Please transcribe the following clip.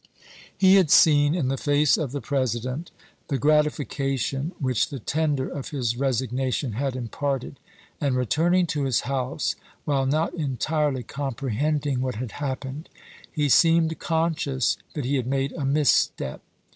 SEWAKD AND CHASE 269 He had seen in the face of the President the grat chap. xii. ification which the tender of his resignation had imparted, and returning to his house, while not en tirely comprehending what had happened, he seemed conscious that he had made a misstep.